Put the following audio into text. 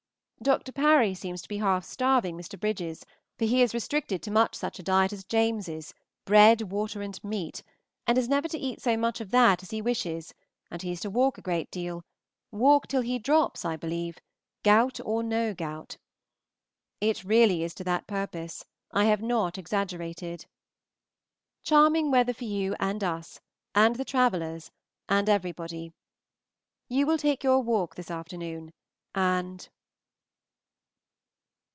Dr. Parry seems to be half starving Mr. Bridges, for he is restricted to much such a diet as James's, bread, water and meat, and is never to eat so much of that as he wishes, and he is to walk a great deal, walk till he drops, I believe, gout or no gout. It really is to that purpose. I have not exaggerated. Charming weather for you and us, and the travellers, and everybody. You will take your walk this afternoon, and